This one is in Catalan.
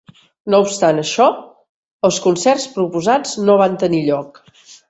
No obstant això, els concerts proposats no van tenir lloc.